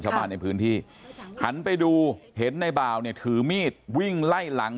ชาวบ้านในพื้นที่หันไปดูเห็นในบ่าวเนี่ยถือมีดวิ่งไล่หลัง